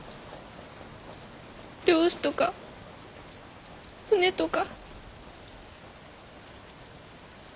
漁師とか船とか海とか。